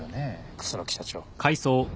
楠木社長。